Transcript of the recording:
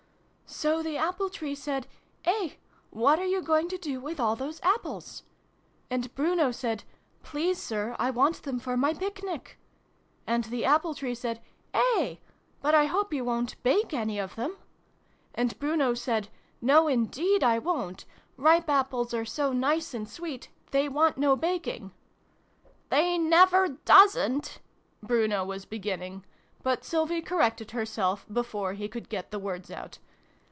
"So the Apple Tree said 'Eh! What are you going to do with all those Apples ?' And Bruno said ' Please, Sir, I want them for my Picnic.' And the Apple Tree said ' Eh ! But I hope you wo'n't bake any of them ?' And Bruno said ' No, indeed I wo'n't ! Ripe Apples are so nice and so sweet, they want no baking !''" They never doesn't Bruno was be ginning, but Sylvie corrected herself before he could get the words out.